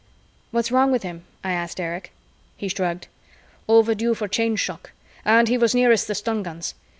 "What's wrong with him?" I asked Erich. He shrugged. "Overdue for Change Shock. And he was nearest the stun guns.